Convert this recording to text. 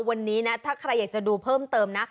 วันนี้นะถ้าใครอยากจะดูเพิ่มเติมนะ